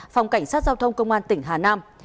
phòng cảnh sát giao thông công an tỉnh hà nam